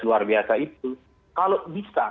luar biasa itu kalau bisa